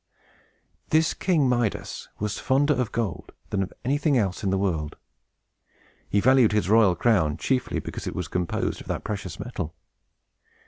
This King Midas was fonder of gold than of anything else in the world. He valued his royal crown chiefly because it was composed of that precious metal.